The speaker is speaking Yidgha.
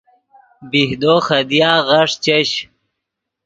بیہدو خدیا غیݰ چش